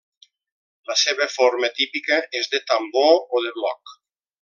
La seva forma típica és de tambor o de bloc.